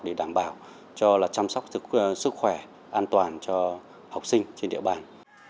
để đảm bảo cho chăm sóc sức khỏe an toàn cho học sinh trên địa bàn